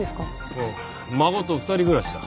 ああ孫と二人暮らしだ。